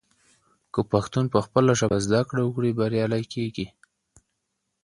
که پښتون پخپله ژبه زده کړه وکړي، بریالی کیږي.